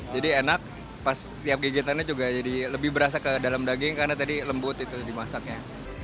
jadi enak pas tiap gigitannya juga jadi lebih berasa ke dalam daging karena tadi lembut itu dimasaknya